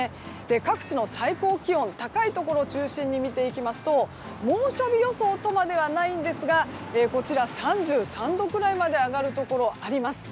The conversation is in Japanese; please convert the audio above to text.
各地の最高気温高いところを中心に見ていくと猛暑日予想とまではいかないんですがこちら、３３度くらいまで上がるところがあります。